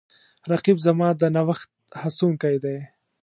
رقیب زما د نوښت هڅونکی دی